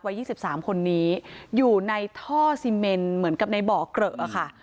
วัยยี่สิบสามคนนี้อยู่ในท่อซิเมนเหมือนกับในเบาะเกลอะค่ะ